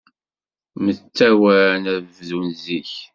Mtawan ad bdun zik.